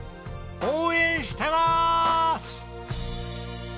応援してまーす！